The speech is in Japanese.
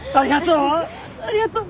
ありがとう！